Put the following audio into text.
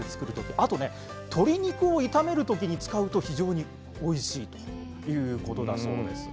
あと鶏肉を炒める時に使うと非常においしいということだそうです。